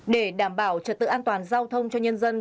để đảm bảo trật tự an toàn giao thông cho nhân dân